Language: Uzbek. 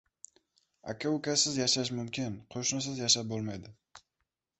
• Aka-ukasiz yashash mumkin, qo‘shnisiz yashab bo‘lmaydi.